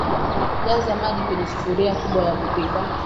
jaza maji kwenye sufuria kubwa ya kupikia